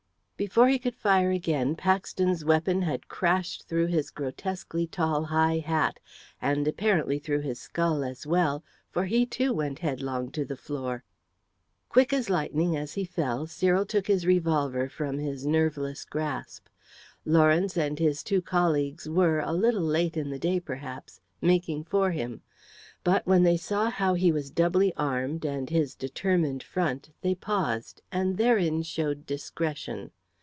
Before he could fire again Paxton's weapon had crashed through his grotesquely tall high hat, and apparently through his skull as well, for he too went headlong to the floor. Quick as lightning as he fell Cyril took his revolver from his nerveless grasp. Lawrence and his two colleagues were a little late in the day, perhaps making for him. But when they saw how he was doubly armed and his determined front they paused and therein showed discretion.